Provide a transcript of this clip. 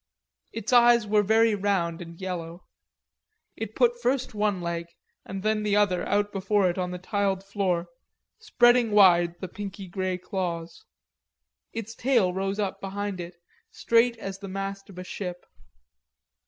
Its eyes were very round and yellow. It put first one leg and then the other out before it on the tiled floor, spreading wide the pinkey grey claws. Its tail rose up behind it straight as the mast of a ship.